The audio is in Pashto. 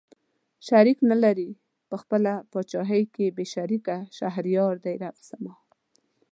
شريک نه لري په خپله پاچاهۍ کې بې شريکه شهريار دئ رب زما